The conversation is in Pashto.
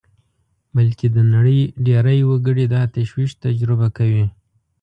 بلکې د نړۍ ډېری وګړي دا تشویش تجربه کوي